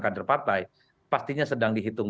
kader partai pastinya sedang dihitung